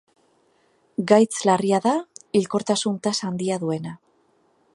Gaitz larria da, hilkortasun tasa handia duena.